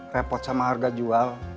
repot sama harga jual